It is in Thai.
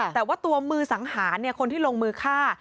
แต่ว่าตัวมือสังหารคนที่ลงมือฆ่า